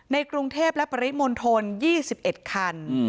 ในกรุงเทพและปริมณฑล๒๑คัน